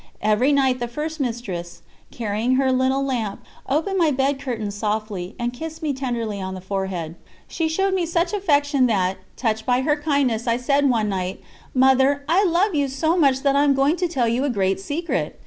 Every night the first mistress, carrying her little lamp, opened my bed curtains softly, and kissed me tenderly on the forehead. She showed me such affection that, touched by her kindness, I said one night: "Mother, I love you so much that I am going to tell you a great secret."